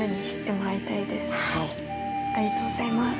ありがとうございます。